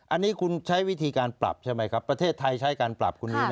อันนี้คุณใช้วิธีการปรับใช่ไหมครับประเทศไทยใช้การปรับคุณมิ้น